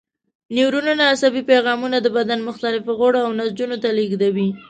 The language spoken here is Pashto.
نیورونونه عصبي پیغامونه د بدن مختلفو غړو او نسجونو ته لېږدوي.